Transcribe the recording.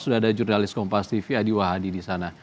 sudah ada jurnalis kompas tv adi wahadi di sana